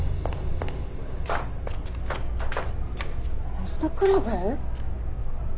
ホストクラブ？